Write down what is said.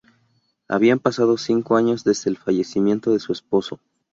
Habían pasado cincos años desde el fallecimiento de su esposo.